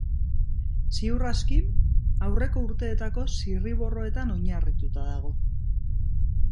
Ziur aski, aurreko urteetako zirriborroetan oinarrituta dago.